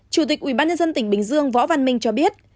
chủ tịch ubnd tỉnh bình dương võ văn minh cho biết